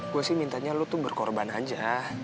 gue sih mintanya lu tuh berkorban aja